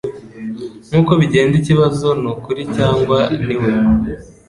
Nkuko bigenda ikibazo nukuri cyangwa niwe